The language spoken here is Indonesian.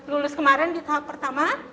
lulus kemarin di tahap pertama